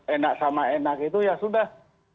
enak sama enak itu ya sudah